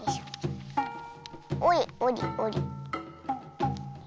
おりおりおり。